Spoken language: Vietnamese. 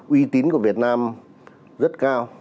uy tín của việt nam rất cao